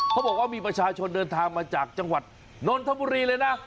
เขาบอกว่ามีประชาชนเดินทางมาจากจังหวัดนนทบุรีเลยนะ